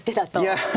いや。